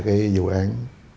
cái vụ án